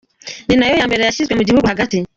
Ni nayo ya mbere yashinzwe mu gihugu hagati.